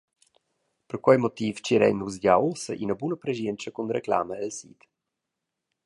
Per quei motiv tgirein nus gia uss ina buna preschientscha cun reclama el sid.»